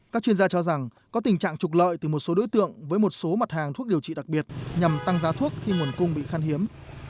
các chuyên gia cho rằng có tình trạng trục lợi từ một số đối tượng với một số mặt hàng thuốc điều trị đặc biệt nhằm tăng giá thuốc khi nguồn cung bị khăn hiếm